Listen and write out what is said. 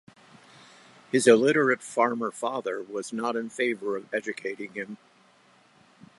His illiterate farmer father was not in favor of educating him.